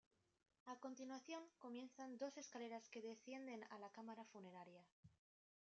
A continuación comienzan dos escaleras que descienden a la cámara funeraria.